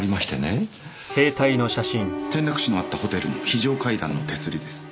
転落死のあったホテルの非常階段の手すりです。